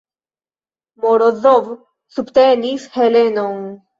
Morozov subtenis Helenon.